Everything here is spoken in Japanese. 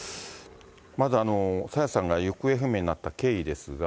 まず朝芽さんが行方不明になった経緯ですが。